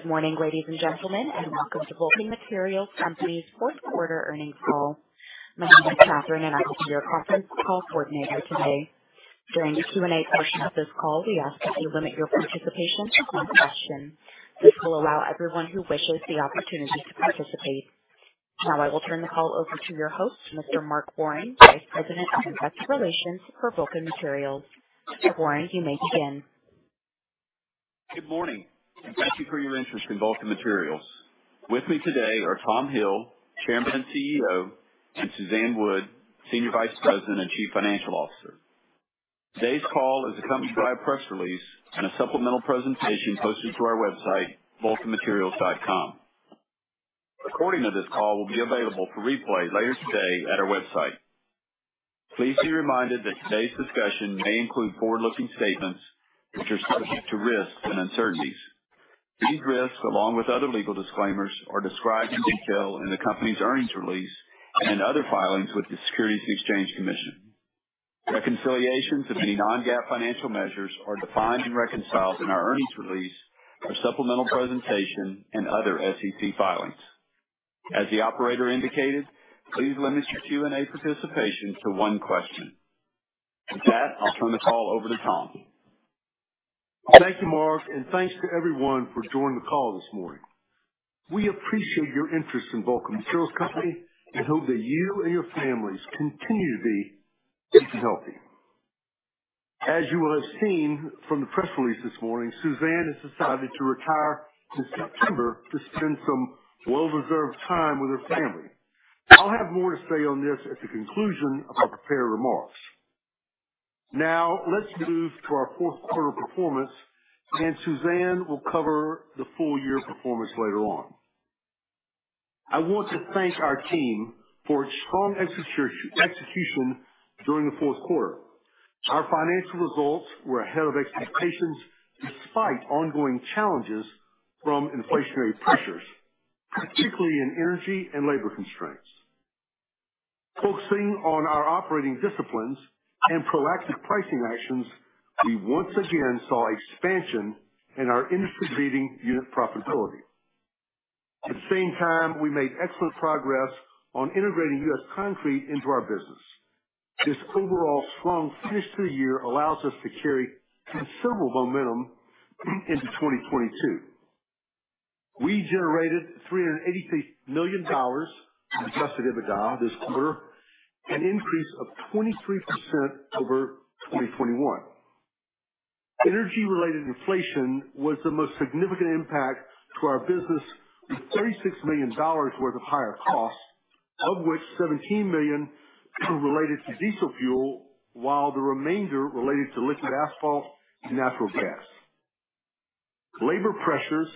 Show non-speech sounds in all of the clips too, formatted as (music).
Good morning, ladies and gentlemen, and welcome to Vulcan Materials Company's fourth quarter earnings call. My name is Catherine, and I will be your conference call coordinator today. During the Q&A portion of this call, we ask that you limit your participation to one question. This will allow everyone who wishes the opportunity to participate. Now, I will turn the call over to your host, Mr. Mark Warren, Vice President of Investor Relations for Vulcan Materials. Mr. Warren, you may begin. Good morning, and thank you for your interest in Vulcan Materials. With me today are Tom Hill, Chairman and CEO, and Suzanne Wood, Senior Vice President and Chief Financial Officer. Today's call is accompanied by a press release and a supplemental presentation posted to our website, vulcanmaterials.com. A recording of this call will be available for replay later today at our website. Please be reminded that today's discussion may include forward-looking statements which are subject to risks and uncertainties. These risks, along with other legal disclaimers, are described in detail in the company's earnings release and other filings with the Securities and Exchange Commission. Reconciliations of any non-GAAP financial measures are defined and reconciled in our earnings release, our supplemental presentation, and other SEC filings. As the operator indicated, please limit your Q&A participation to one question. With that, I'll turn the call over to Tom. Thank you, Mark, and thanks to everyone for joining the call this morning. We appreciate your interest in Vulcan Materials Company and hope that you and your families continue to be safe and healthy. As you will have seen from the press release this morning, Suzanne has decided to retire this September to spend some well-deserved time with her family. I'll have more to say on this at the conclusion of my prepared remarks. Now, let's move to our fourth quarter performance, and Suzanne will cover the full year performance later on. I want to thank our team for its strong execution during the fourth quarter. Our financial results were ahead of expectations despite ongoing challenges from inflationary pressures, particularly in energy and labor constraints. Focusing on our operating disciplines and proactive pricing actions, we once again saw expansion in our industry-leading unit profitability. At the same time, we made excellent progress on integrating U.S. Concrete into our business. This overall strong finish to the year allows us to carry considerable momentum into 2022. We generated $383 million in adjusted EBITDA this quarter, an increase of 23% over 2021. Energy-related inflation was the most significant impact to our business, with $36 million worth of higher costs, of which $17 million were related to diesel fuel, while the remainder related to liquid asphalt and natural gas. Labor pressures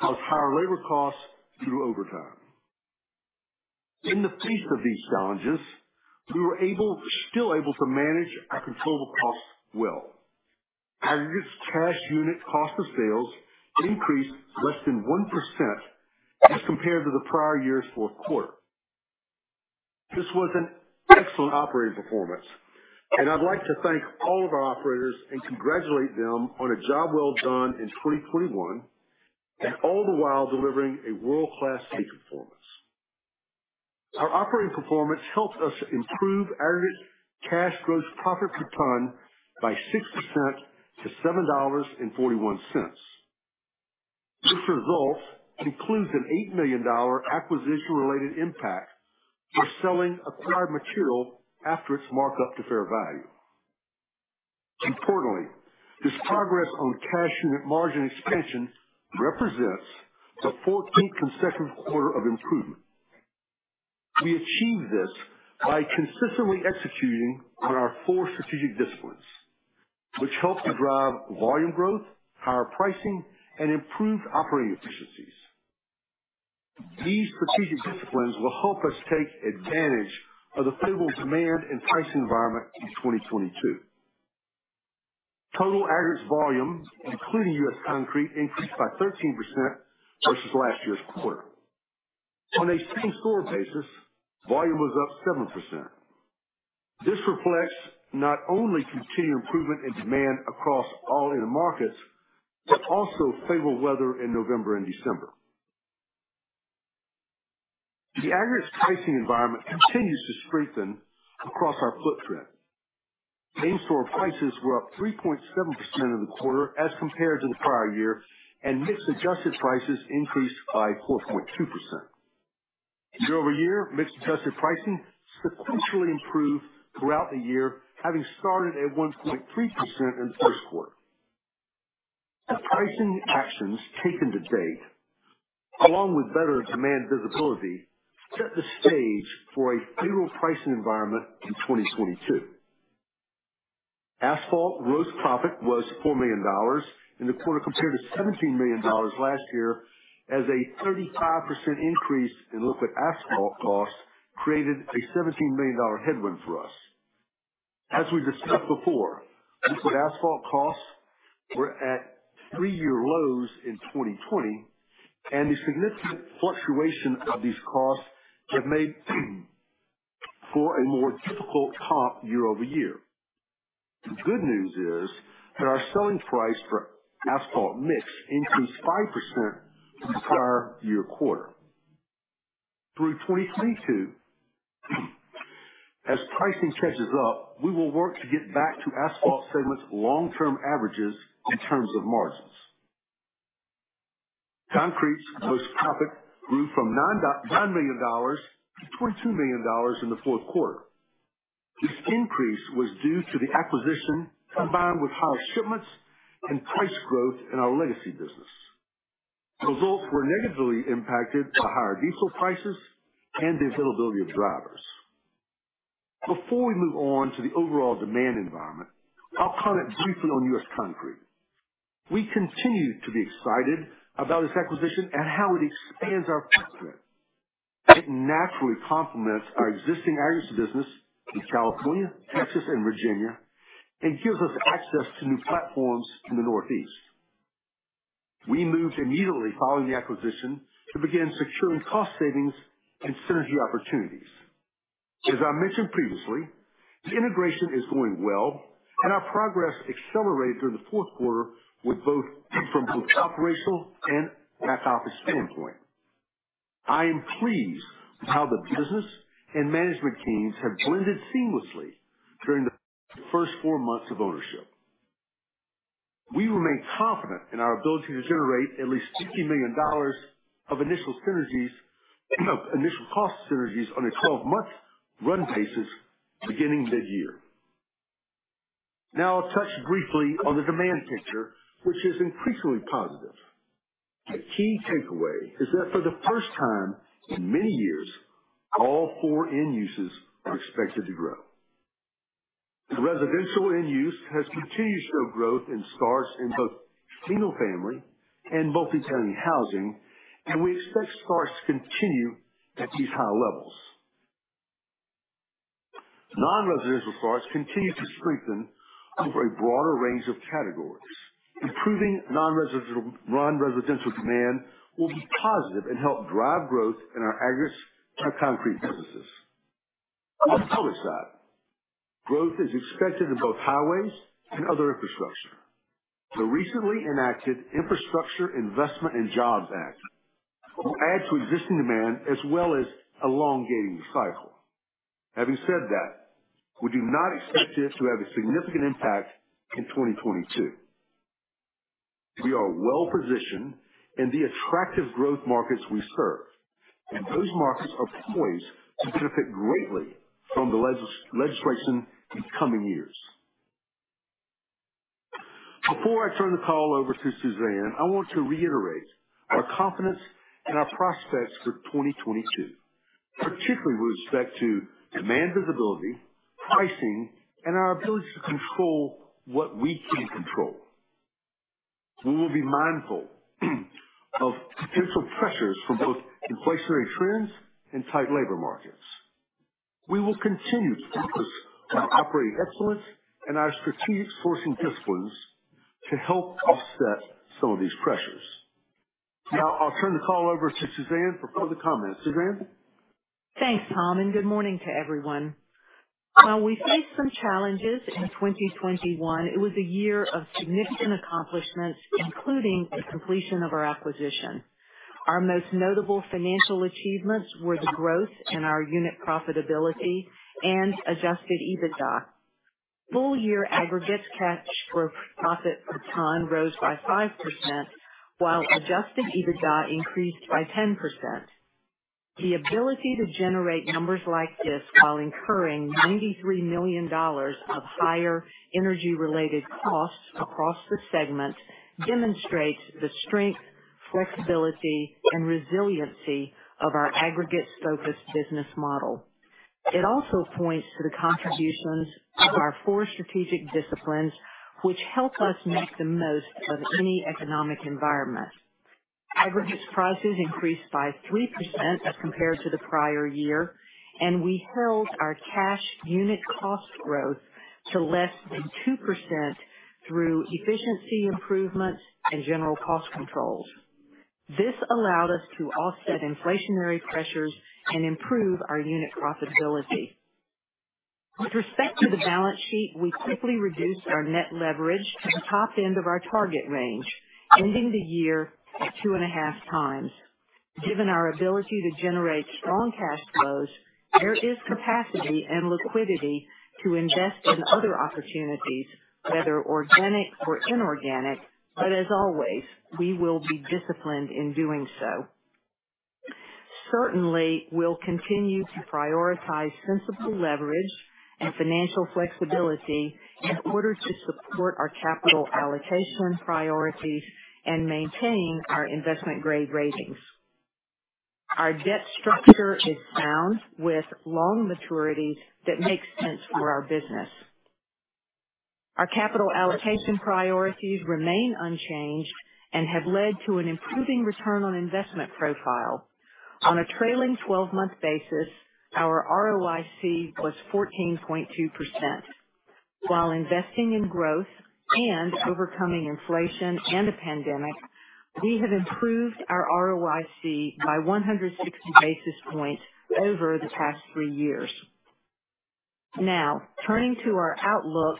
caused higher labor costs through overtime. In the face of these challenges, we were still able to manage our controllable costs well. Aggregate cash unit cost of sales increased less than 1% as compared to the prior year's fourth quarter. This was an excellent operating performance, and I'd like to thank all of our operators and congratulate them on a job well done in 2021, and all the while delivering a world-class safety performance. Our operating performance helped us improve aggregate cash gross profit per ton by 6% to $7.41. This result includes an $8 million acquisition-related impact for selling acquired material after its markup to fair value. Importantly, this progress on cash unit margin expansion represents the 14th consecutive quarter of improvement. We achieved this by consistently executing on our four strategic disciplines, which helped to drive volume growth, higher pricing, and improved operating efficiencies. These strategic disciplines will help us take advantage of the favorable demand and pricing environment in 2022. Total aggregate volume, including U.S. Concrete, increased by 13% versus last year's quarter. On a same-store basis, volume was up 7%. This reflects not only continued improvement in demand across all end markets, but also favorable weather in November and December. The aggregates pricing environment continues to strengthen across our footprint. Same-store prices were up 3.7% in the quarter as compared to the prior year, and mix adjusted prices increased by 4.2%. Year-over-year, mix adjusted pricing substantially improved throughout the year, having started at 1.3% in the first quarter. The pricing actions taken to date, along with better demand visibility, set the stage for a favorable pricing environment in 2022. Asphalt gross profit was $4 million in the quarter, compared to $17 million last year, as a 35% increase in liquid asphalt costs created a $17 million headwind for us. As we discussed before, liquid asphalt costs were at three-year lows in 2020, and the significant fluctuation of these costs have made for a more difficult comp year-over-year. The good news is that our selling price for asphalt mix increased 5% from prior year quarter. Through 2022, as pricing catches up, we will work to get back to Asphalt segment's long-term averages in terms of margins. Concrete's gross profit grew from $9 million to $22 million in the fourth quarter. This increase was due to the acquisition combined with higher shipments and price growth in our legacy business. Results were negatively impacted by higher diesel prices and the availability of drivers. Before we move on to the overall demand environment, I'll comment briefly on U.S. Concrete. We continue to be excited about this acquisition and how it expands our footprint. It naturally complements our existing aggregates business in California, Texas, and Virginia, and gives us access to new platforms in the Northeast. We moved immediately following the acquisition to begin securing cost savings and synergy opportunities. As I mentioned previously, the integration is going well, and our progress accelerated through the fourth quarter with both operational and back office standpoint. I am pleased with how the business and management teams have blended seamlessly during the first four months of ownership. We remain confident in our ability to generate at least $50 million of initial synergies, initial cost synergies on a 12-month run basis beginning this year. Now I'll touch briefly on the demand picture, which is increasingly positive. A key takeaway is that for the first time in many years, all four end uses are expected to grow. The residential end use has continued to show growth in starts in both single family and multi-family housing, and we expect starts to continue at these high levels. Non-residential starts continue to strengthen over a broader range of categories. Improving non-residential demand will be positive and help drive growth in our aggregates, concrete businesses. On the public side, growth is expected in both highways and other infrastructure. The recently enacted Infrastructure Investment and Jobs Act will add to existing demand as well as elongating the cycle. Having said that, we do not expect this to have a significant impact in 2022. We are well positioned in the attractive growth markets we serve, and those markets are poised to benefit greatly from the legislation in coming years. Before I turn the call over to Suzanne, I want to reiterate our confidence in our prospects for 2022, particularly with respect to demand visibility, pricing, and our ability to control what we can control. We will be mindful of potential pressures from both inflationary trends and tight labor markets. We will continue to focus on operating excellence and our strategic sourcing disciplines to help offset some of these pressures. Now I'll turn the call over to Suzanne for further comments. Suzanne? Thanks, Tom, and good morning to everyone. While we faced some challenges in 2021, it was a year of significant accomplishments, including the completion of our acquisition. Our most notable financial achievements were the growth in our unit profitability and adjusted EBITDA. Full year Aggregates cash gross profit per ton rose by 5%, while adjusted EBITDA increased by 10%. The ability to generate numbers like this while incurring $93 million of higher energy-related costs across the segment demonstrates the strength, flexibility, and resiliency of our Aggregates-focused business model. It also points to the contributions of our four strategic disciplines, which help us make the most of any economic environment. Aggregates prices increased by 3% as compared to the prior year, and we held our cash unit cost growth to less than 2% through efficiency improvements and general cost controls. This allowed us to offset inflationary pressures and improve our unit profitability. With respect to the balance sheet, we quickly reduced our net leverage to the top end of our target range, ending the year at 2.5x. Given our ability to generate strong cash flows, there is capacity and liquidity to invest in other opportunities, whether organic or inorganic, but as always, we will be disciplined in doing so. Certainly, we'll continue to prioritize sensible leverage and financial flexibility in order to support our capital allocation priorities and maintain our investment grade ratings. Our debt structure is sound with loan maturity that makes sense for our business. Our capital allocation priorities remain unchanged and have led to an improving return on investment profile. On a trailing twelve-month basis, our ROIC was 14.2%. While investing in growth and overcoming inflation and a pandemic, we have improved our ROIC by 160 basis points over the past three years. Now, turning to our outlook,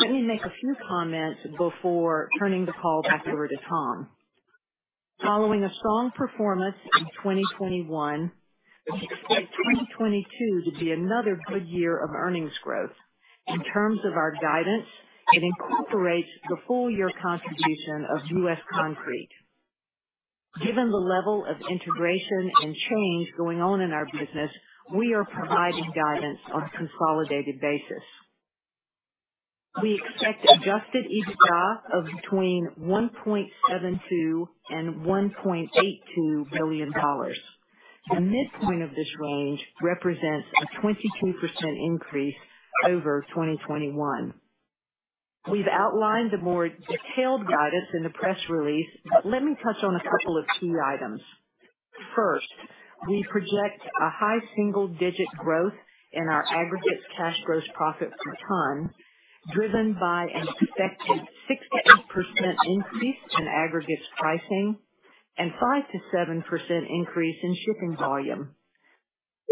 let me make a few comments before turning the call back over to Tom. Following a strong performance in 2021, we expect 2022 to be another good year of earnings growth. In terms of our guidance, it incorporates the full year contribution of U.S. Concrete. Given the level of integration and change going on in our business, we are providing guidance on a consolidated basis. We expect adjusted EBITDA of between $1.72 billion and $1.82 billion. The midpoint of this range represents a 22% increase over 2021. We've outlined the more detailed guidance in the press release, but let me touch on a couple of key items. First, we project a high single-digit growth in our Aggregates cash gross profit per ton, driven by an expected 6%-8% increase in aggregates pricing and 5%-7% increase in shipping volume.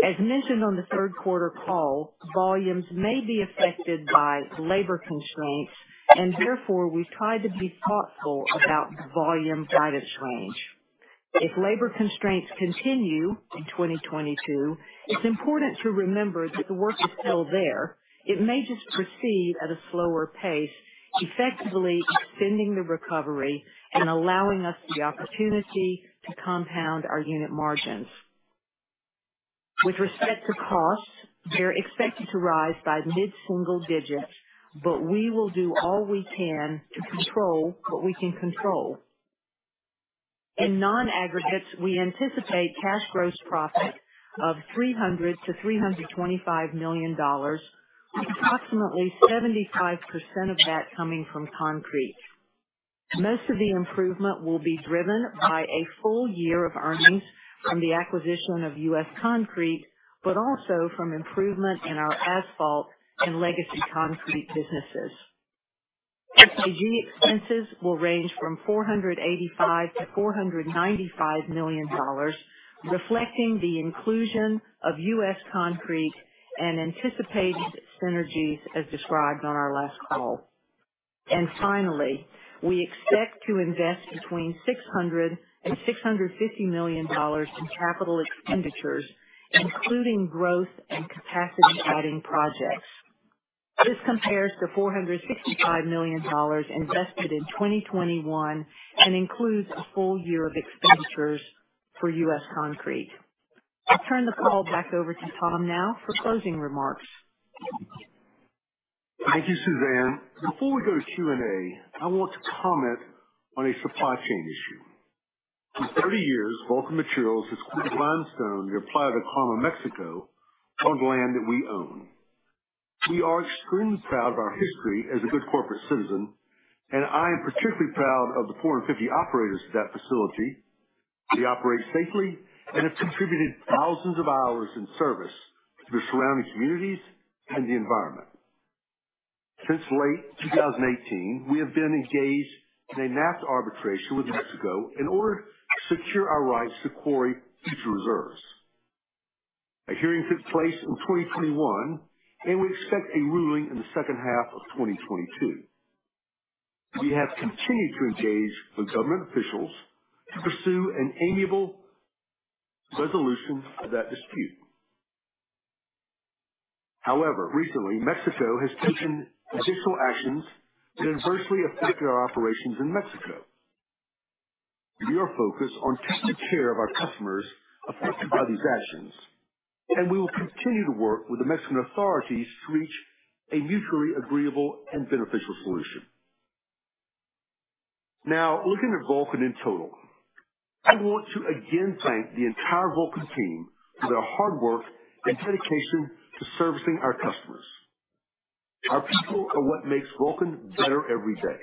As mentioned on the third quarter call, volumes may be affected by labor constraints, and therefore we've tried to be thoughtful about the volume guidance range. If labor constraints continue in 2022, it's important to remember that the work is still there. It may just proceed at a slower pace, effectively extending the recovery and allowing us the opportunity to compound our unit margins. With respect to costs, they're expected to rise by mid-single digits, but we will do all we can to control what we can control. In non-aggregates, we anticipate cash gross profit of $300 million-$325 million, with approximately 75% of that coming from concrete. Most of the improvement will be driven by a full year of earnings from the acquisition of U.S. Concrete, but also from improvement in our asphalt and legacy concrete businesses. SG&A expenses will range from $485 million-$495 million, reflecting the inclusion of U.S. Concrete and anticipated synergies as described on our last call. Finally, we expect to invest between $600 million and $650 million in capital expenditures, including growth and capacity adding projects. This compares to $465 million invested in 2021 and includes a full year of expenditures for U.S. Concrete. I'll turn the call back over to Tom now for closing remarks. Thank you, Suzanne. Before we go to Q&A, I want to comment on a supply chain issue. For 30 years, Vulcan Materials has quarried limestone near Playa del Carmen, Mexico, on land that we own. We are extremely proud of our history as a good corporate citizen, and I am particularly proud of the 450 operators at that facility. We operate safely and have contributed thousands of hours in service to the surrounding communities and the environment. Since late 2018, we have been engaged in a NAFTA arbitration with Mexico in order to secure our rights to quarry future reserves. A hearing took place in 2021, and we expect a ruling in the second half of 2022. We have continued to engage with government officials to pursue an amicable resolution of that dispute. However, recently, Mexico has taken additional actions to adversely affect our operations in Mexico. We are focused on taking care of our customers affected by these actions, and we will continue to work with the Mexican authorities to reach a mutually agreeable and beneficial solution. Now, looking at Vulcan in total, I want to again thank the entire Vulcan team for their hard work and dedication to servicing our customers. Our people are what makes Vulcan better every day.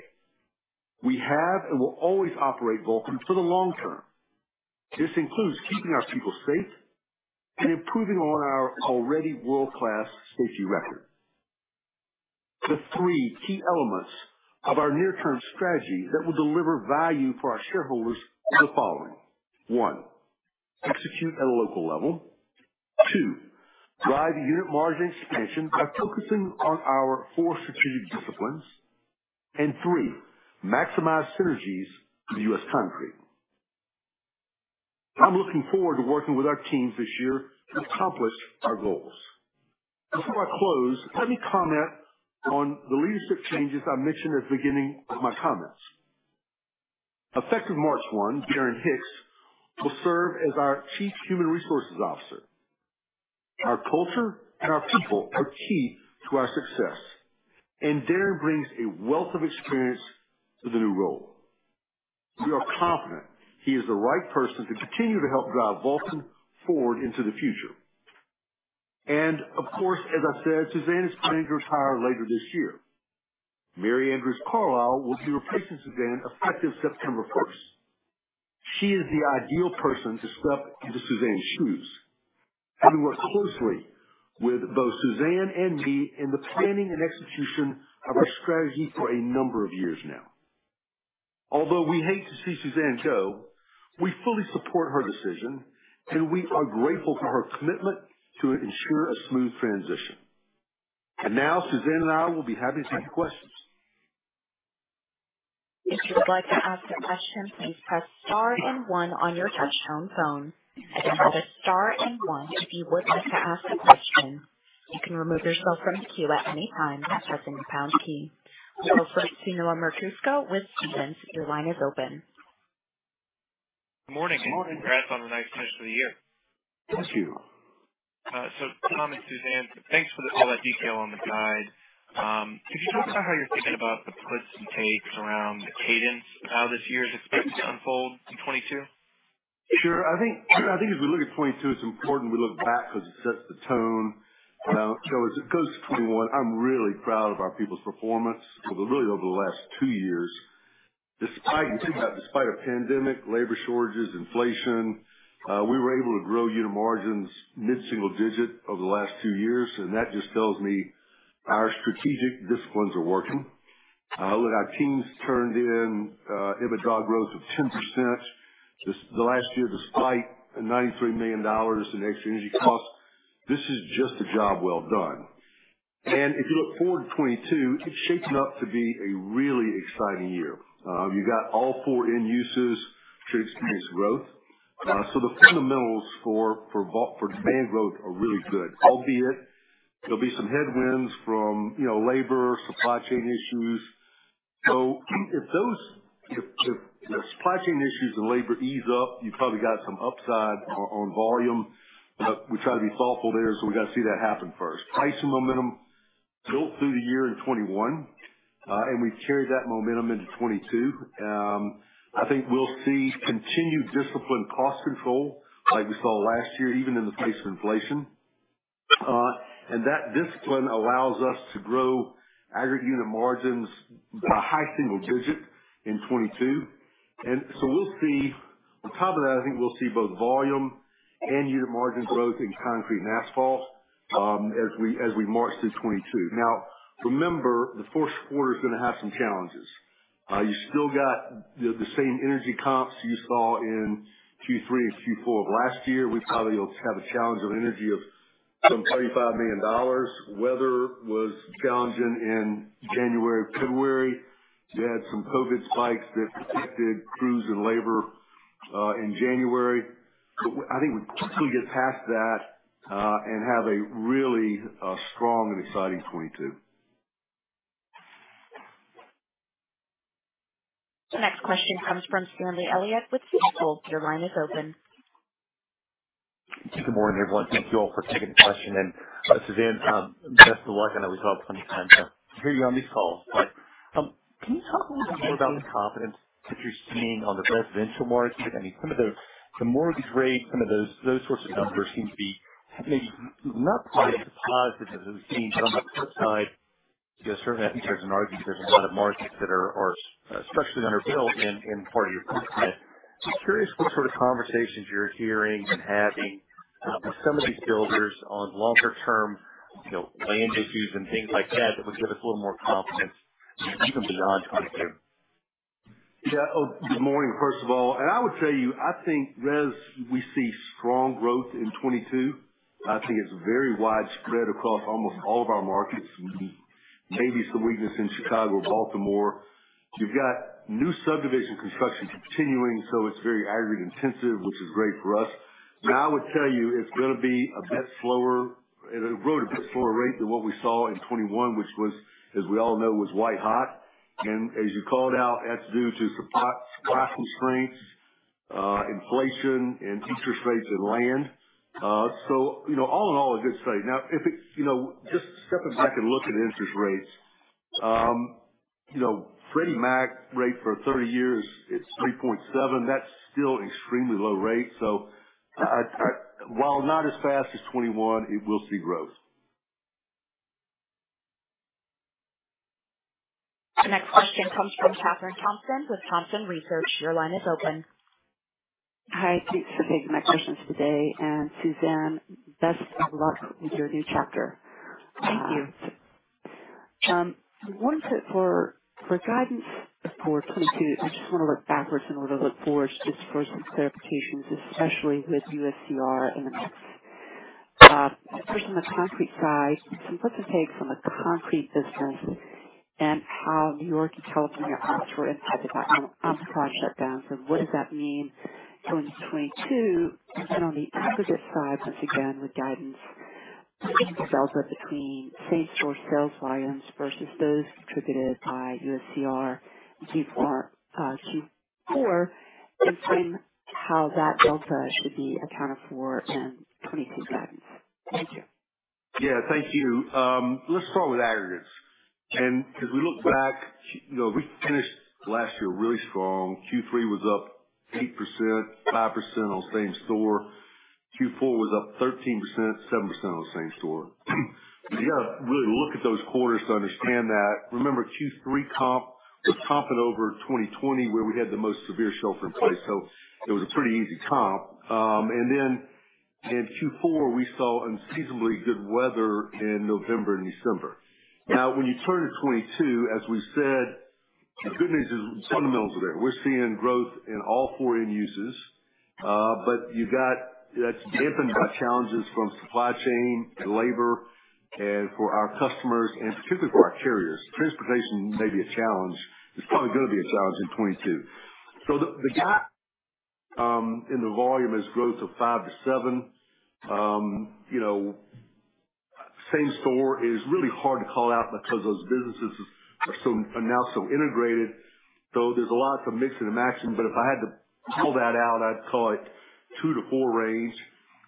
We have and will always operate Vulcan for the long term. This includes keeping our people safe and improving on our already world-class safety record. The three key elements of our near-term strategy that will deliver value for our shareholders are the following. One, execute at a local level. Two, drive unit margin expansion by focusing on our four strategic disciplines. Three, maximize synergies with U.S. Concrete. I'm looking forward to working with our teams this year to accomplish our goals. Before I close, let me comment on the leadership changes I mentioned at the beginning of my comments. Effective March 1, Darren Hicks will serve as our Chief Human Resources Officer. Our culture and our people are key to our success, and Darren brings a wealth of experience to the new role. We are confident he is the right person to continue to help drive Vulcan forward into the future. Of course, as I said, Suzanne is planning to retire later this year. Mary Andrews Carlisle will be replacing Suzanne effective September 1st. She is the ideal person to step into Suzanne's shoes. Having worked closely with both Suzanne and me in the planning and execution of our strategy for a number of years now. Although we hate to see Suzanne go, we fully support her decision, and we are grateful for her commitment to ensure a smooth transition. Now Suzanne and I will be happy to take questions. If you would like to ask a question, please press star and one on your touchtone phone. Again, that is star and one if you would like to ask a question. You can remove yourself from the queue at any time by pressing pound key. Our first caller, Noah Merkousko with Stephens. Your line is open. Good morning. Good morning. Congrats on a nice finish for the year. Thank you. Tom and Suzanne, thanks for all that detail on the guide. Could you talk about how you're thinking about the puts and takes around the cadence of how this year is expected to unfold in 2022? Sure. I think as we look at 2022, it's important we look back because it sets the tone. As it goes to 2021, I'm really proud of our people's performance over the last two years. Despite a pandemic, labor shortages, inflation, we were able to grow unit margins mid-single digit over the last two years, and that just tells me our strategic disciplines are working. Look, our teams turned in EBITDA growth of 10% the last year, despite $93 million in extra energy costs. This is just a job well done. If you look forward to 2022, it's shaping up to be a really exciting year. You got all four end uses should experience growth. The fundamentals for demand growth are really good. Albeit there'll be some headwinds from, you know, labor, supply chain issues. If those, the supply chain issues and labor ease up, you probably got some upside on volume. We try to be thoughtful there, so we got to see that happen first. Pricing momentum built through the year in 2021, and we carried that momentum into 2022. I think we'll see continued disciplined cost control like we saw last year, even in the face of inflation. That discipline allows us to grow aggregates unit margins by high single digits in 2022. We'll see, on top of that, I think we'll see both volume and unit margin growth in Concrete and Asphalt, as we march through 2022. Now remember, the fourth quarter is gonna have some challenges. You still got the same energy comps you saw in Q3 and Q4 of last year. We probably will have a challenge of energy of some $25 million. Weather was challenging in January, February. You had some COVID spikes that affected crews and labor in January. I think we can get past that and have a really strong and exciting 2022. The next question comes from Stanley Elliott with Stifel. Your line is open. Good morning, everyone. Thank you all for taking the question. Suzanne, best of luck. I know we don't have plenty of time to hear you on these calls, but can you talk a little bit more about the confidence that you're seeing on the residential market? I mean, some of the mortgage rates, some of those sorts of numbers seem to be maybe not quite as positive as we've seen. On the flip side, you know, certainly I think there's an argument there's a lot of margins that are especially that are built in in part of your commitment. Just curious what sort of conversations you're hearing and having with some of these builders on longer term land issues and things like that would give us a little more confidence even beyond 2022. Oh, good morning first of all. I would tell you, I think yes, we see strong growth in 2022. I think it's very widespread across almost all of our markets. Maybe some weakness in Chicago, Baltimore. You've got new subdivision construction continuing, so it's very aggregate intensive, which is great for us. I would tell you it's gonna be a bit slower. It'll grow at a bit slower rate than what we saw in 2021, which was, as we all know, white hot. As you called out, that's due to supply constraints, inflation and interest rates and land. You know, all in all a good sign. Now, you know, just step back and look at interest rates. Freddie Mac rate for 30 years, it's 3.7%. That's still extremely low rate. While not as fast as 2021, it will see growth. The next question comes from Kathryn Thompson with Thompson Research. Your line is open. Hi. Thanks for taking my questions today. Suzanne, best of luck into your new chapter. Thank you. I wanted to for guidance for 2022, I just wanna look backwards in order to look forward just for some clarifications, especially with USCR in the mix. First on the concrete side, can you give your take from the concrete business and how New York and California ops were impacted by Omicron shutdowns, and what does that mean going into 2022? Then on the aggregate side, once again with guidance, the delta between same store sales volumes versus those contributed by USCR in Q4, and then how that delta should be accounted for in 2022 guidance. Thank you. Yeah, thank you. Let's start with aggregates. As we look back, you know, we finished last year really strong. Q3 was up 8%, 5% on same store. Q4 was up 13%, 7% on the same store. You gotta really look at those quarters to understand that. Remember, Q3 comp was comping over 2020, where we had the most severe shelter in place. It was a pretty easy comp. Then in Q4, we saw unseasonably good weather in November and December. Now, when you turn to 2022, as we said, the good news is fundamentals are there. We're seeing growth in all four end uses. You got, that's dampened by challenges from supply chain, labor, and for our customers and particularly for our carriers. Transportation may be a challenge. It's probably gonna be a challenge in 2022. The guide in the volume is growth of 5%-7%. You know, same store is really hard to call out because those businesses are now so integrated. There's lots of mixing and matching, but if I had to call that out, I'd call it 2%-4% range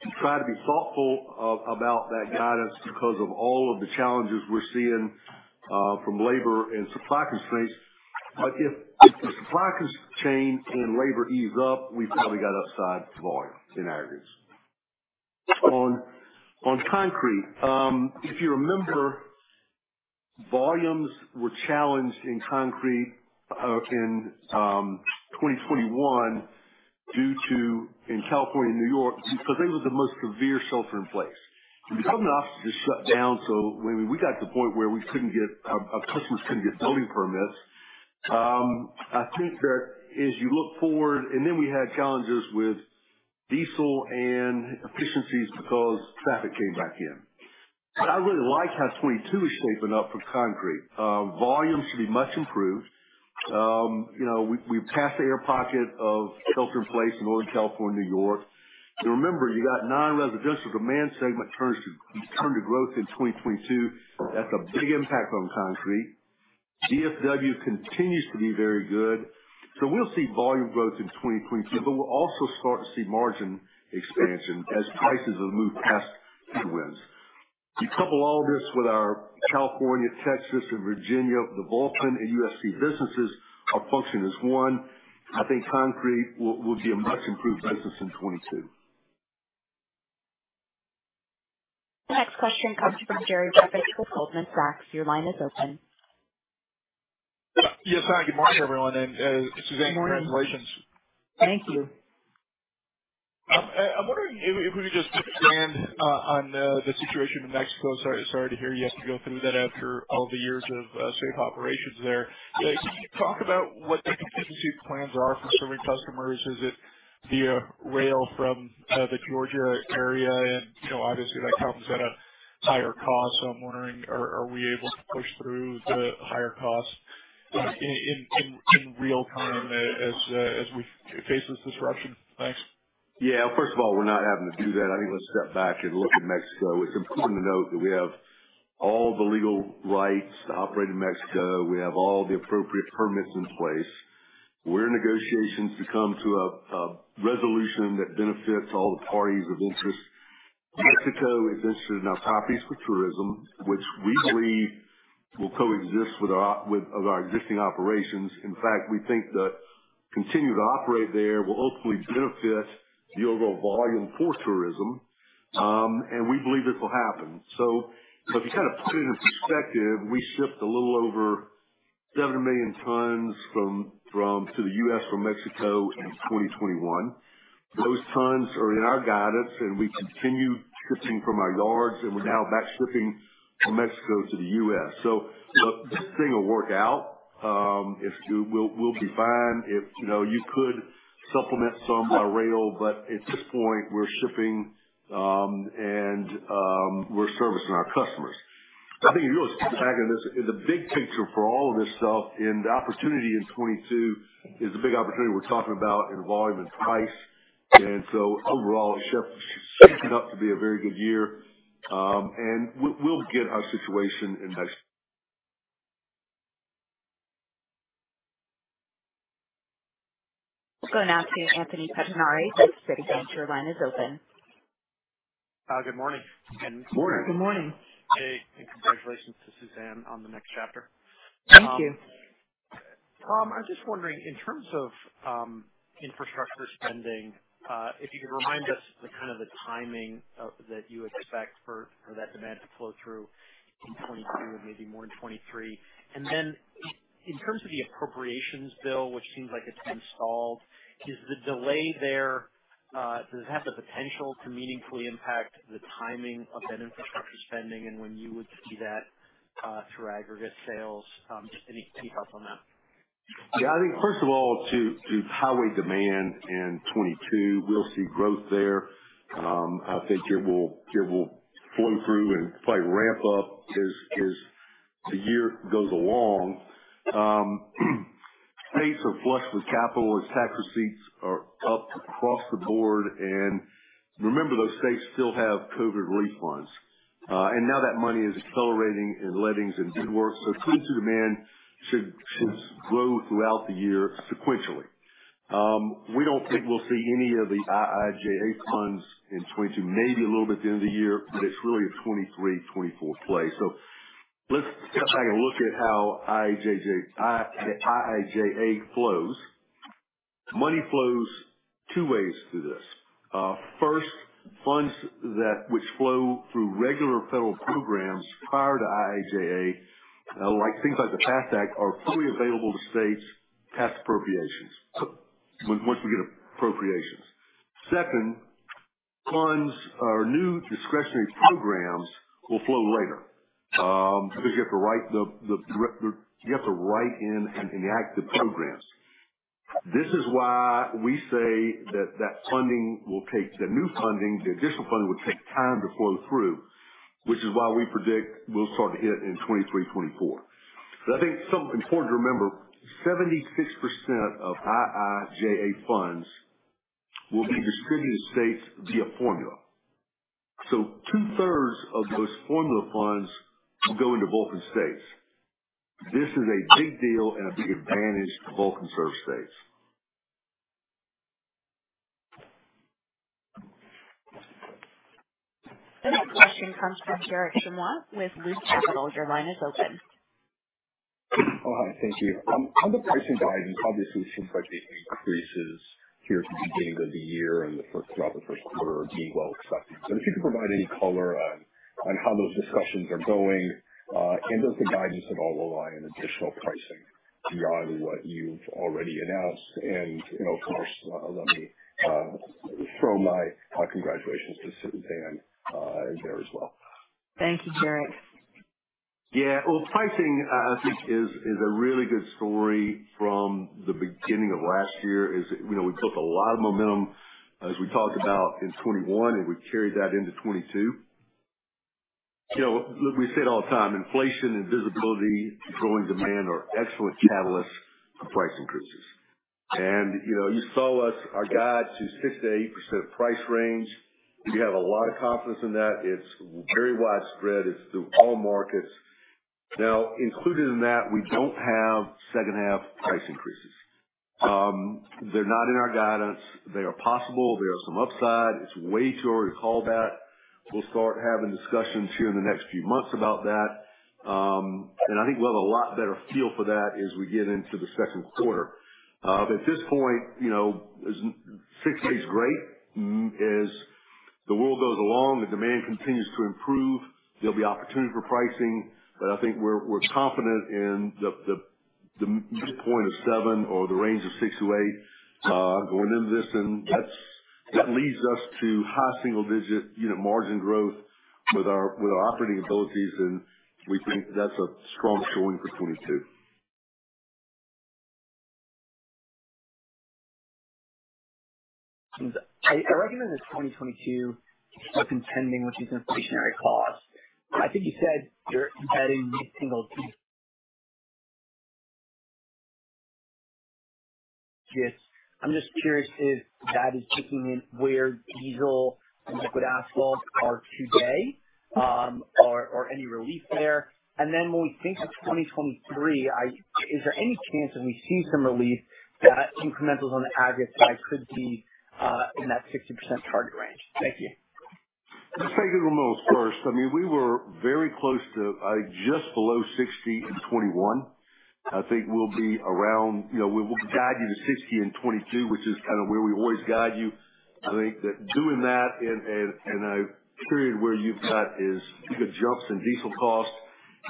and try to be thoughtful about that guidance because of all of the challenges we're seeing from labor and supply constraints. If the supply constraints and labor ease up, we probably got upside volume in Aggregates. On Concrete, if you remember, volumes were challenged in Concrete in 2021 due to in California and New York, because they were the most severe shelter in place. Some offices shut down, so when we got to the point where we couldn't get customers couldn't get building permits. I think that as you look forward. Then we had challenges with diesel and efficiencies because traffic came back in. I really like how 2022 is shaping up for concrete. Volume should be much improved. You know, we've passed the air pocket of shelter in place in Northern California, New York. Remember, you got non-residential demand segment return to growth in 2022. That's a big impact on concrete. DFW continues to be very good. We'll see volume growth in 2022, but we'll also start to see margin expansion as prices have moved past headwinds. You couple all of this with our California, Texas, and Virginia, the Vulcan and USC businesses are functioning as one. I think concrete will be a much improved business in 2022. The next question comes from Jerry Revich with Goldman Sachs. Your line is open. Yes, hi. Good morning, everyone, and Suzanne, congratulations. Thank you. I'm wondering if we could just get your stance on the situation in Mexico. Sorry to hear you have to go through that after all the years of safe operations there. Can you talk about what the contingency plans are for serving customers? Is it via rail from the Georgia area? You know, obviously that comes at a higher cost, so I'm wondering, are we able to push through the higher costs in real time as we face this disruption? Thanks. Yeah, first of all, we're not having to do that. I think let's step back and look at Mexico. It's important to note that we have all the legal rights to operate in Mexico. We have all the appropriate permits in place. We're in negotiations to come to a resolution that benefits all the parties of interest. Mexico is interested in our properties for tourism, which we believe will coexist with our existing operations. In fact, we think that continue to operate there will ultimately benefit the overall volume for tourism, and we believe this will happen. If you kind of put it in perspective, we shipped a little over 70 million tons to the U.S. from Mexico in 2021. Those tons are in our guidance, and we continue shipping from our yards, and we're now back shipping from Mexico to the U.S. So this thing will work out. We'll be fine. You know, you could supplement some by rail, but at this point, we're shipping, and we're servicing our customers. I think if you really step back in this, in the big picture for all of this stuff and the opportunity in 2022 is a big opportunity we're talking about in volume and price. Overall, it shapes it up to be a very good year. We'll get our situation in Mexico. We'll go now to Anthony Pettinari with Credit Suisse. Your line is open. Good morning. Morning. Good morning. Hey, congratulations to Suzanne on the next chapter. Thank you. I'm just wondering, in terms of, infrastructure spending, if you could remind us the kind of the timing, that you expect for that demand to flow through in 2022 and maybe more in 2023. In terms of the appropriations bill, which seems like it's been stalled, is the delay there, does it have the potential to meaningfully impact the timing of that infrastructure spending and when you would see that, through aggregate sales? Just any thoughts on that? Yeah. I think first of all, to highway demand in 2022, we'll see growth there. I think it will flow through and probably ramp up as the year goes along. States are flush with capital as tax receipts are up across the board. Remember, those states still have COVID relief funds. Now that money is accelerating in lettings and bid work. 2022 demand should grow throughout the year sequentially. We don't think we'll see any of the IIJA funds in 2022, maybe a little bit at the end of the year, but it's really a 2023, 2024 play. Let's take a look at how IIJA flows. Money flows two ways through this. First, funds that flow through regular federal programs prior to IIJA, like things like the FAST Act, are fully available to states post appropriations once we get appropriations. Second, funds from new discretionary programs will flow later, because you have to write the directives and enact the programs. This is why we say that the new funding, the additional funding, will take time to flow through, which is why we predict we'll start to hit in 2023, 2024. I think it's important to remember, 76% of IIJA funds will be distributed to states via formula. 2/3 of those formula funds will go into Vulcan states. This is a big deal and a big advantage to Vulcan-served states. The next question comes from Garik Shmois with Loop Capital. Your line is open. Thank you. On the pricing guidance, obviously since pricing increases here at the beginning of the year and throughout the first quarter are being well accepted. If you could provide any color on how those discussions are going, and does the guidance at all rely on additional pricing beyond what you've already announced? You know, of course, let me throw my congratulations to Suzanne there as well. Thank you, Garik. Yeah. Well, pricing, I think, is a really good story from the beginning of last year. You know, we built a lot of momentum as we talked about in 2021, and we carried that into 2022. You know, look, we say it all the time, inflation and visibility and growing demand are excellent catalysts for price increases. You know, you saw us, our guide to 6%-8% price range. We have a lot of confidence in that. It's very widespread. It's through all markets. Now, included in that, we don't have second half price increases. They're not in our guidance. They are possible. There is some upside. It's way too early to call that. We'll start having discussions here in the next few months about that. I think we'll have a lot better feel for that as we get into the second quarter. At this point, you know, 6%-8% is great. As the world goes along and demand continues to improve, there'll be opportunity for pricing. I think we're confident in the midpoint of 7% or the range of 6%-8%, going into this. That's what leads us to high single-digit margin growth with our operating abilities, and we think that's a strong showing for 2022. I recognize that 2022 was contending with these inflationary costs. I think you said you're embedding mid-single digits, yes. I'm just curious if that is kicking in where diesel and liquid asphalt are today, or any relief there. When we think of 2023, is there any chance that we see some relief that incrementals on the Aggregates side could be in that 60% target range? Thank you. Let's take it remote first. I mean, we were very close to just below 60% in 2021. I think we'll be around. You know, we guided to 60% in 2022, which is kind of where we always guide to. I think that doing that in a period where you've got as big a jump in diesel costs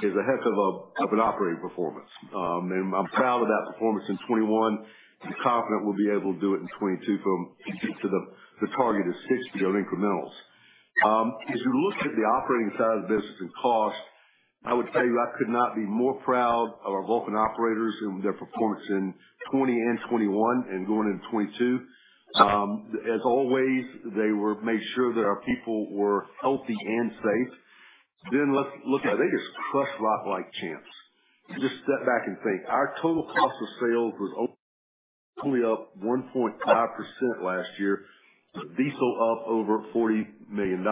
is a heck of an operating performance. I'm proud of that performance in 2021 and confident we'll be able to do it in 2022 to the target of 60% on incrementals. As we look at the operating side of the business and costs, I would tell you I could not be more proud of our Vulcan operators and their performance in 2020 and 2021 and going into 2022. As always, they made sure that our people were healthy and safe. They just crushed rock like champs. Just step back and think. Our total cost of sales was only up 1.5% last year, with diesel up over $40 million.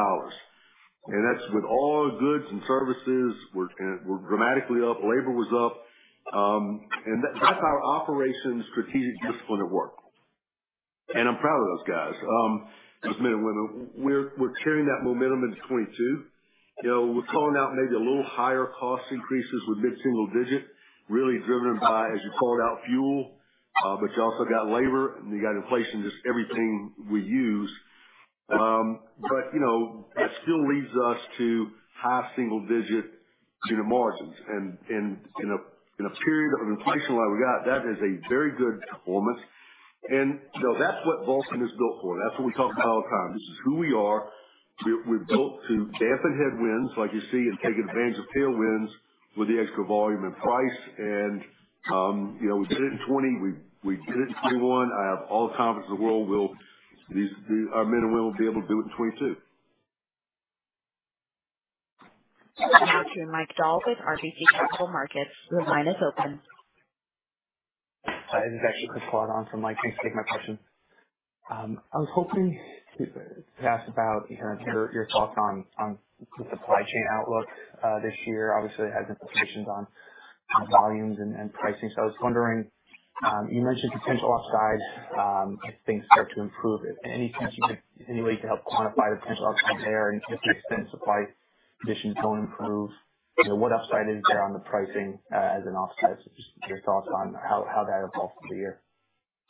That's with all goods and services were dramatically up. Labor was up. That, that's our operational strategic discipline at work. I'm proud of those guys, those men and women. We're carrying that momentum into 2022. You know, we're calling out maybe a little higher cost increases with mid-single-digit, really driven by, as you called out, fuel, but you also got labor and you got inflation, just everything we use. You know, that still leads us to high single-digit, you know, margins and in a, in a period of inflation like we got, that is a very good performance. You know, that's what Vulcan is built for. That's what we talk about all the time. This is who we are. We're built to dampen headwinds like you see and take advantage of tailwinds with the extra volume and price and, you know, we did it in 2020. We did it in 2021. I have all the confidence in the world. Our men and women will be able to do it in 2022. Now to Mike Dahl with RBC Capital Markets. Your line is open. Hi, this is actually Chris Kalata on for Mike. Thanks for taking my question. I was hoping to ask about your thoughts on the supply chain outlook this year. Obviously it has implications on volumes and pricing. I was wondering, you mentioned potential upside if things start to improve. Any way you could help quantify the potential upside there and if the extent supply conditions don't improve, you know, what upside is there on the pricing as an offset? Just your thoughts on how that evolves through the year.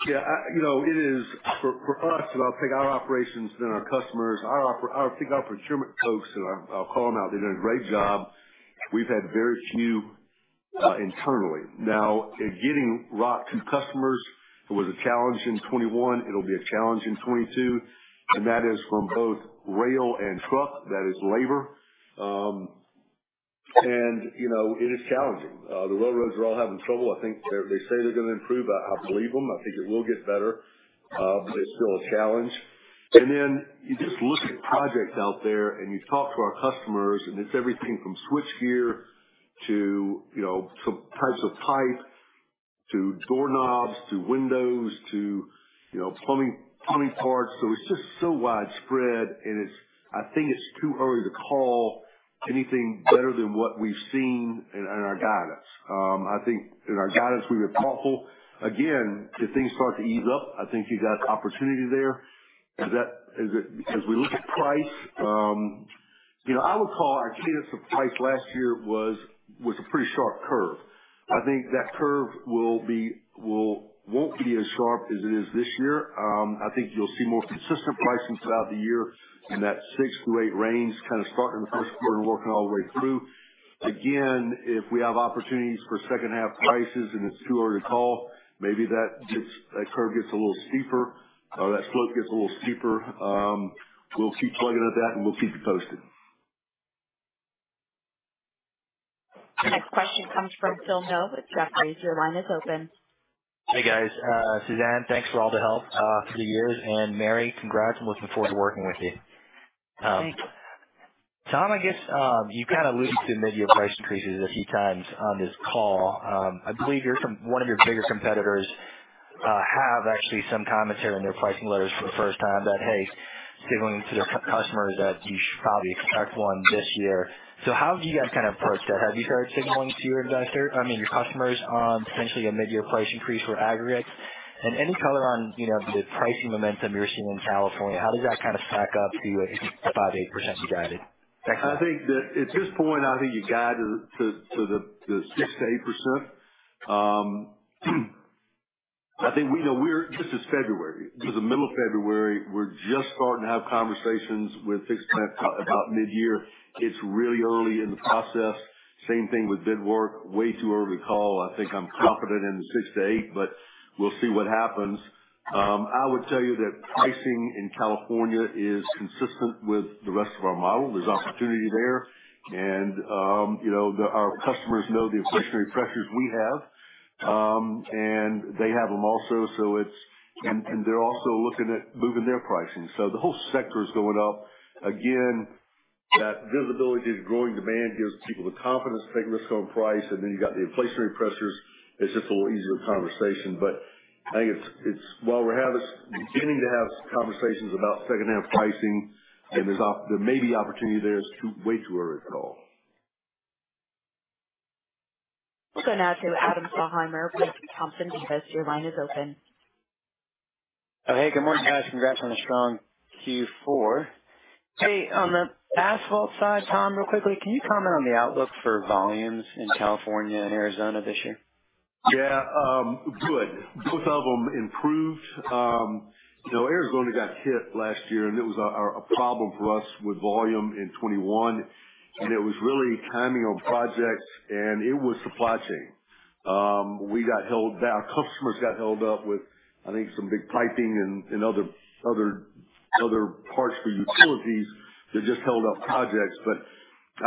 Yeah. You know, it is for us, and I'll take our operations then our customers. Our procurement folks, and I'll call them out, they did a great job. We've had very few internally. Now, getting rock to customers was a challenge in 2021. It'll be a challenge in 2022. That is from both rail and truck. That is labor. You know, it is challenging. The railroads are all having trouble. I think they're. They say they're gonna improve. I believe them. I think it will get better, but it's still a challenge. Then you just look at projects out there and you talk to our customers, and it's everything from switchgear to, you know, some types of pipe, to doorknobs, to windows, to, you know, plumbing parts. It's just so widespread and it's. I think it's too early to call anything better than what we've seen in our guidance. I think in our guidance we were thoughtful. Again, if things start to ease up, I think you got opportunity there. As we look at price, you know, I would call our cadence of price last year was a pretty sharp curve. I think that curve won't be as sharp as it is this year. I think you'll see more consistent pricing throughout the year in that 6%-8% range, kind of starting in the first quarter and working all the way through. Again, if we have opportunities for second half prices, and it's too early to call, maybe that curve gets a little steeper or that slope gets a little steeper. We'll keep plugging at that, and we'll keep you posted. Next question comes from Phil Ng with Jefferies. Your line is open. Hey, guys. Suzanne, thanks for all the help through the years. Mary, congrats. I'm looking forward to working with you. Thank you. Tom, I guess, you kind of alluded to mid-year price increases a few times on this call. I believe one of your bigger competitors have actually some commentary in their pricing letters for the first time that, hey, signaling to their customers that you should probably expect one this year. How have you guys kind of approached that? Have you started signaling to your investor, I mean, your customers on potentially a mid-year price increase for aggregates? Any color on, you know, the pricing momentum you're seeing in California, how does that kind of stack up to the 5%-8% you guided? Thanks so much. I think that at this point, I think you guide to the 6%-8%. I think we know we're. This is February. This is the middle of February. We're just starting to have conversations with fixed plant about mid-year. It's really early in the process. Same thing with bid work. Way too early to call. I think I'm confident in the 6%-8%, but we'll see what happens. I would tell you that pricing in California is consistent with the rest of our model. There's opportunity there. You know, our customers know the inflationary pressures we have, and they have them also, so it's. They're also looking at moving their pricing. The whole sector is going up. Again, that visibility to growing demand gives people the confidence to take risks on price. Then you've got the inflationary pressures. It's just a little easier conversation. I think it's while we're beginning to have conversations about second half pricing and there may be opportunity there. It's way too early to call. We'll go now to Adam Thalhimer with Thompson Davis. Your line is open. Hey, good morning, guys. Congrats on a strong Q4. Hey, on the asphalt side, Tom, real quickly, can you comment on the outlook for volumes in California and Arizona this year? Yeah, good. Both of them improved. You know, Arizona got hit last year, and it was a problem for us with volume in 2021. It was really timing on projects, and it was supply chain. We got held down, our customers got held up with, I think, some big piping and other parts for utilities that just held up projects.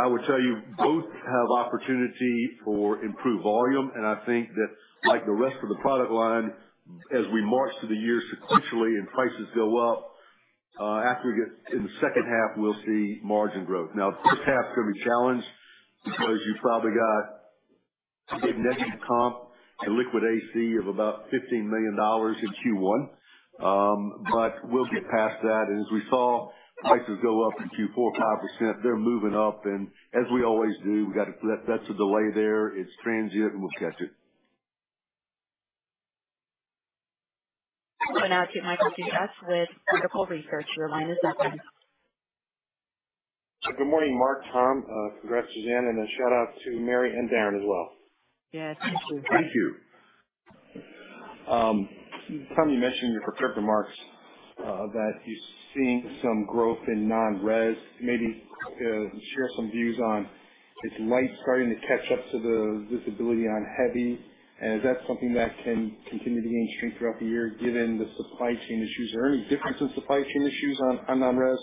I would tell you both have opportunity for improved volume, and I think that like the rest of the product line, as we march through the year sequentially and prices go up, after we get in the second half, we'll see margin growth. Now, first half's gonna be a challenge because you probably got a big negative comp and liquid AC of about $15 million in Q1. We'll get past that. As we saw prices go up in Q4, 4% or 5%, they're moving up, and as we always do, we got to, that's a delay there. It's transient, and we'll catch it. Going out to Michael Dudas with Vertical Research. Your line is open. Good morning, Mark, Tom. Congrats, Suzanne, and a shout-out to Mary and Darren as well. Yeah. Thank you. Thank you. Tom, you mentioned in your prepared remarks that you're seeing some growth in non-res. Maybe share some views on if light's starting to catch up to the visibility on heavy and if that's something that can continue to gain strength throughout the year given the supply chain issues. Are there any difference in supply chain issues on non-res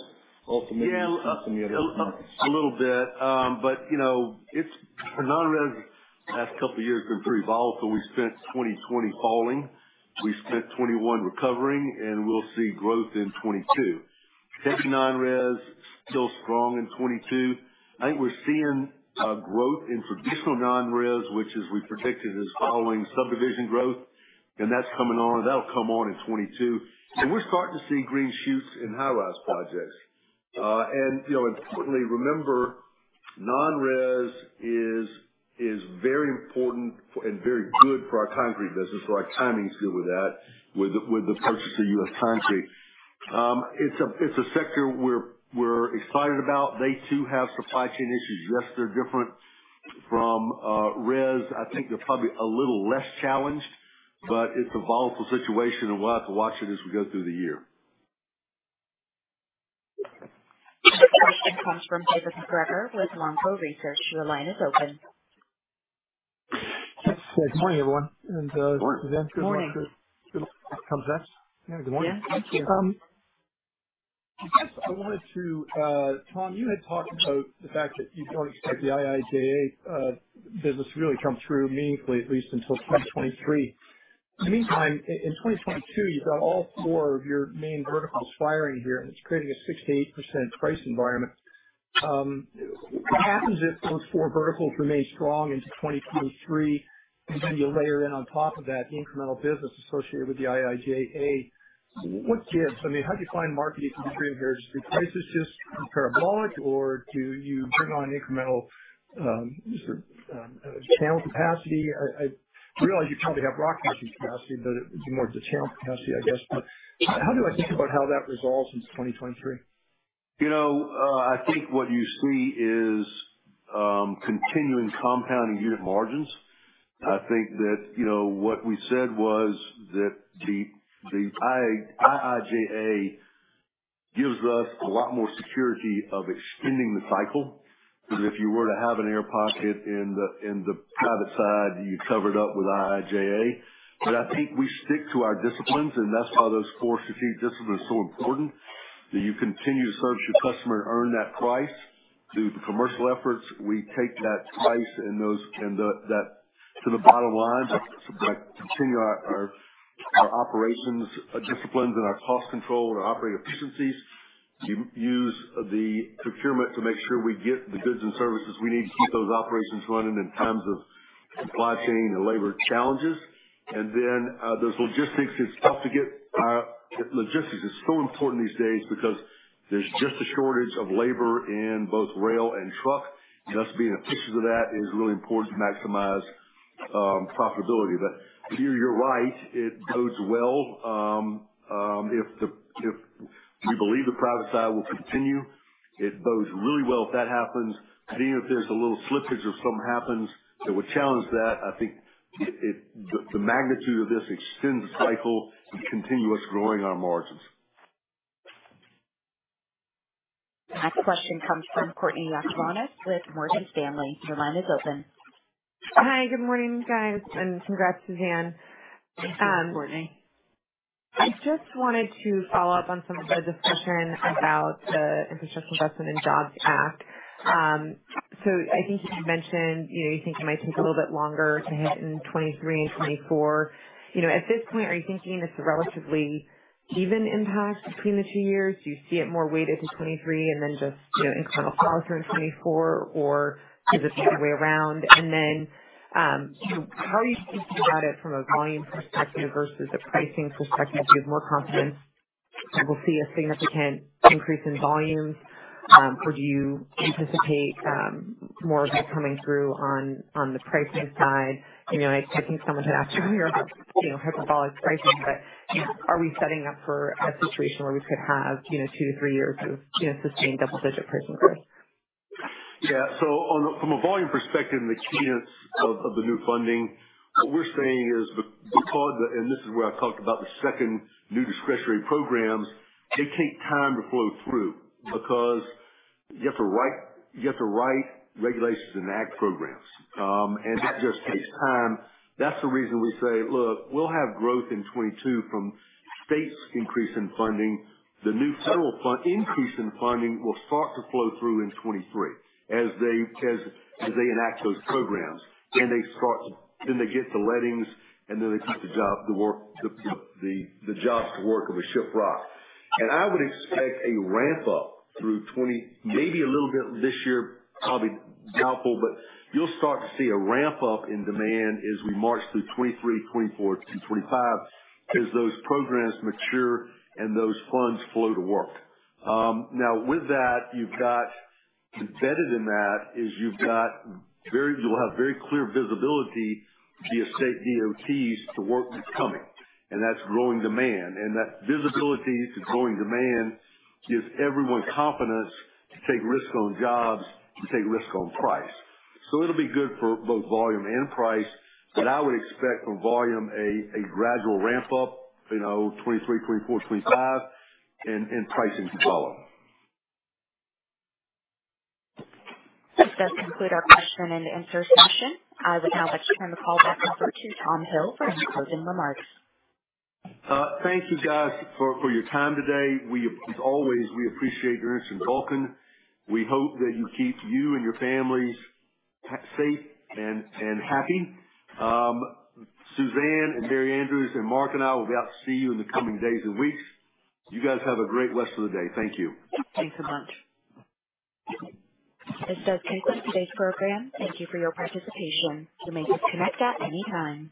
ultimately (audio distortion) Yeah. from the other products? A little bit. You know, it's non-res; the last couple of years have been pretty volatile. We spent 2020 falling. We've spent 2021 recovering, and we'll see growth in 2022. Tech non-res still strong in 2022. I think we're seeing growth in traditional non-res, which as we predicted is following subdivision growth. That's coming on in 2022. We're starting to see green shoots in high-rise projects. You know, importantly, remember non-res is very important for, and very good for our concrete business, so our timing's good with that, with the purchase of U.S. Concrete. It's a sector we're excited about. They too have supply chain issues. Yes, they're different from res. I think they're probably a little less challenged, but it's a volatile situation, and we'll have to watch it as we go through the year. The next question comes from David MacGregor with Longbow Research. Your line is open. Good morning, everyone. Morning. Good morning. Suzanne, congrats. Yeah. Thank you. I guess I wanted to, Tom, you had talked about the fact that you don't expect the IIJA business to really come through meaningfully, at least until 2023. In the meantime, in 2022, you've got all four of your main verticals firing here, and it's creating a 6%-8% price environment. What happens if those four verticals remain strong into 2023, and then you layer in on top of that the incremental business associated with the IIJA? What gives? I mean, how do you find marketing discipline here? Is it prices just compress margin, or do you bring on incremental channel capacity? I realize you probably have rock capacity, but it'd be more of the channel capacity, I guess. But how do I think about how that resolves in 2023? You know, I think what you see is continuing compounding unit margins. I think that, you know, what we said was that the IIJA gives us a lot more security of extending the cycle. Because if you were to have an air pocket in the private side, you cover it up with IIJA. I think we stick to our disciplines, and that's why those core strategic disciplines are so important, that you continue to service your customer and earn that price through the commercial efforts. We take that price and those and that to the bottom line, but continue our operations disciplines and our cost control and our operating efficiencies. We use the procurement to make sure we get the goods and services we need to keep those operations running in times of supply chain and labor challenges. Those logistics, it's tough to get. Logistics is so important these days because there's just a shortage of labor in both rail and truck. Us being a piece of that is really important to maximize profitability. You, you're right. It bodes well if we believe the private side will continue. It bodes really well if that happens. Even if there's a little slippage or something happens that would challenge that, I think the magnitude of this extends the cycle and continuous growing our margins. Next question comes from Courtney Yakavonis with Morgan Stanley. Your line is open. Hi, good morning, guys, and congrats, Suzanne. Thanks, Courtney. I just wanted to follow up on some of the discussion about the Infrastructure Investment and Jobs Act. I think you mentioned, you know, you think it might take a little bit longer to hit in 2023 and 2024. You know, at this point, are you thinking it's a relatively even impact between the two years? Do you see it more weighted to 2023 and then just, you know, incremental follow-through in 2024? Or is it the other way around? And then how are you thinking about it from a volume perspective versus a pricing perspective? Do you have more confidence that we'll see a significant increase in volumes? Or do you anticipate more of it coming through on the pricing side? And I think someone had asked here about hyperbolic pricing, but are we setting up for a situation where we could have two to three years of sustained double-digit pricing growth? Yeah. From a volume perspective and the cadence of the new funding, what we're saying is because, and this is where I talked about the second new discretionary programs, they take time to flow through because you have to write regulations and act programs. That just takes time. That's the reason we say, look, we'll have growth in 2022 from states increase in funding. The new federal fund increase in funding will start to flow through in 2023 as they enact those programs. They get the lettings, and then they get the jobs to work and we ship rock. I would expect a ramp up through 2022, maybe a little bit this year. I'll be doubtful, but you'll start to see a ramp up in demand as we march through 2023, 2024 to 2025 as those programs mature and those funds flow to work. Now with that, embedded in that is you will have very clear visibility via state DOTs to work that's coming, and that's growing demand. That visibility to growing demand gives everyone confidence to take risk on jobs, to take risk on price. It'll be good for both volume and price. I would expect from volume a gradual ramp up, you know, 2023, 2024, 2025, and pricing to follow. This does conclude our question and answer session. I would now like to turn the call back over to Tom Hill for any closing remarks. Thank you guys for your time today. As always, we appreciate your interest in Vulcan. We hope that you keep you and your families safe and happy. Suzanne and Mary Andrews and Mark and I will be out to see you in the coming days and weeks. You guys have a great rest of the day. Thank you. Thanks so much. This does conclude today's program. Thank you for your participation. You may disconnect at any time.